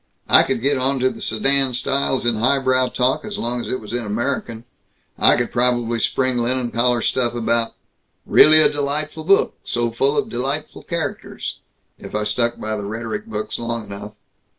I could get onto the sedan styles in highbrow talk as long as it was in American. "I could probably spring linen collar stuff about, 'Really a delightful book, so full of delightful characters,' if I stuck by the rhetoric books long enough.